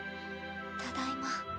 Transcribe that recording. ただいま